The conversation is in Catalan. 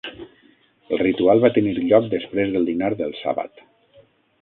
El ritual va tenir lloc després del dinar del sàbat.